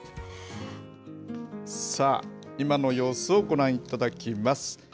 さあ、今の様子をご覧いただきます。